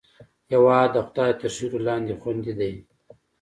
هېواد د خدای تر سیوري لاندې خوندي دی.